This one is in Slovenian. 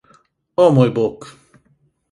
Oh, moj bog.